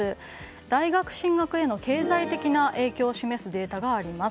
大学進学への経済的な影響を示すデータがあります。